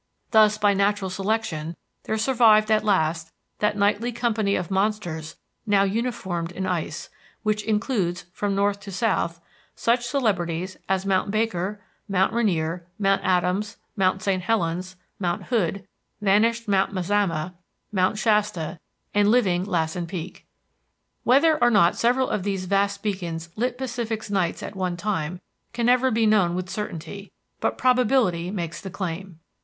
Thus, by natural selection, there survived at last that knightly company of monsters now uniformed in ice, which includes, from north to south, such celebrities as Mount Baker, Mount Rainier, Mount Adams, Mount St. Helens, Mount Hood, vanished Mount Mazama, Mount Shasta, and living Lassen Peak. Whether or not several of these vast beacons lit Pacific's nights at one time can never be known with certainty, but probability makes the claim.